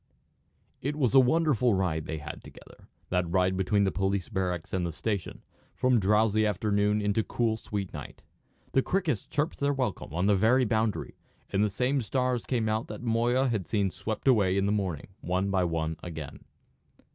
It was a wonderful ride they had together, that ride between the police barracks and the station, and from drowsy afternoon into cool sweet night. The crickets chirped their welcome on the very boundary, and the same stars came out that Moya had seen swept away in the morning, one by one again.